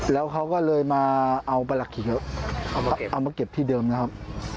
แล้วเขาก็เลยมาเอาประหลักขิกเอามาเก็บที่เดิมนะครับ